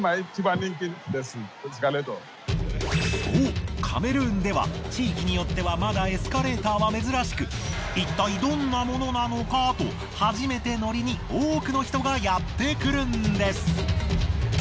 そうカメルーンでは地域によってはまだエスカレーターは珍しくいったいどんなものなのかと初めてのりに多くの人がやってくるんです。